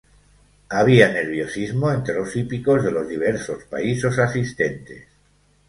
Había nerviosismo entre los hípicos de los diversos países asistentes.